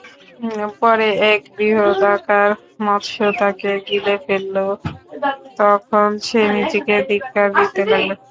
পরে এক বৃহদাকার মৎস্য তাকে গিলে ফেলল, তখন সে নিজেকে ধিক্কার দিতে লাগল।